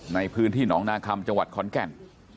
ในพื้นที่หนองนาคัมจังหวัดขอนแก่น